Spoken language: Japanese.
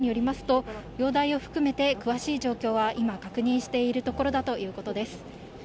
自民党関係者によりますと、容体を含めて詳しい状況は今、確認しているところだということです。